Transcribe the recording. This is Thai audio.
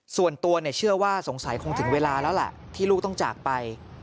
ส่วนตัวเชื่อว่าสงสัยคงถึงเวลาแล้วแหละที่ลูกต้องจากไป